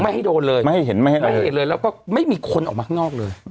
ให้โดนเลยไม่ให้เห็นไม่ให้ไม่เห็นเลยแล้วก็ไม่มีคนออกมาข้างนอกเลย